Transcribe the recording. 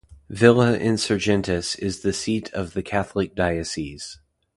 Villa Insurgentes is the seat of the Catholic diocese.